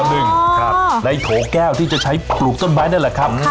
ในโถแก้วที่จะใช้ปลูกต้นไม้นั่นแหละครับ